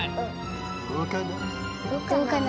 どうかな？